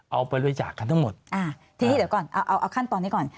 เอาไปบริจาคกันทั้งหมดอ่าทีนี้เดี๋ยวก่อนเอาเอาขั้นตอนนี้ก่อน